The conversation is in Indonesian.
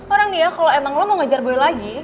orang dia kalau emang lo mau ngejar boy lagi